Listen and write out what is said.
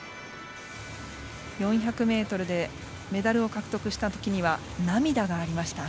４００ｍでメダルを獲得したときには涙がありました。